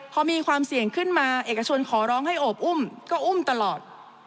พอมีความเสี่ยงขึ้นมาเอกชนขอร้องให้โอบอุ้มก็อุ้มตลอด